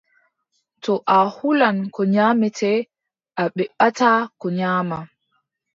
To a hulan ko nyaamete, a beɓataa ko nyaama.